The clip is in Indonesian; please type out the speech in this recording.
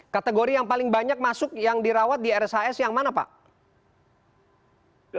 kategori yang paling banyak masuk yang dirawat di rshs yang mana pak